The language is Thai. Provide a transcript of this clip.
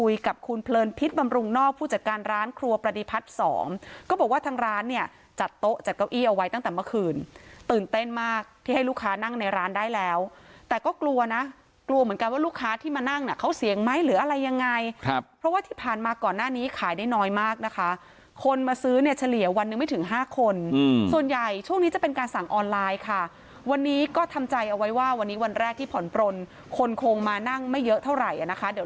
แล้วแต่ก็กลัวนะกลัวเหมือนกันว่าลูกค้าที่มานั่งน่ะเขาเสียงไหมหรืออะไรยังไงครับเพราะว่าที่ผ่านมาก่อนหน้านี้ขายได้น้อยมากนะคะคนมาซื้อเนี่ยเฉลี่ยวันนึงไม่ถึงห้าคนอืมส่วนใหญ่ช่วงนี้จะเป็นการสั่งออนไลน์ค่ะวันนี้ก็ทำใจเอาไว้ว่าวันนี้วันแรกที่ผ่อนโปรนคนคงมานั่งไม่เยอะเท่าไหร่อ่ะนะคะเดี